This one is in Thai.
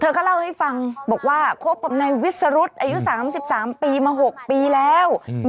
เธอก็เล่าให้ฟังบอกว่าครบในวิสรุษอายุสามสิบสามปีมาหกปีแล้วอืม